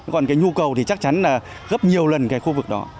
còn cái nhu cầu thì chắc chắn là gấp nhiều lần cái khu vực đó